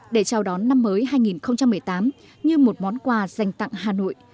để chào đón năm mới hai nghìn một mươi tám như một món quà dành tặng hà nội